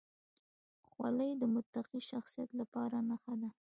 خولۍ د متقي شخصیت لپاره نښه ده.